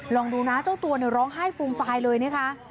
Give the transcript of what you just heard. ลองดูนะเจ้าตัวเนี่ยร้องไห้ฟูมฟายเลยนะคะ